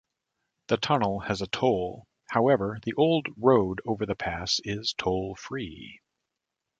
The tunnel has a toll; however, the old road over the pass is toll-free.